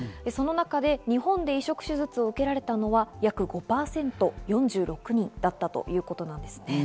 その中で日本で移植手術を受けられたのはおよそ５％、４６人だったということです。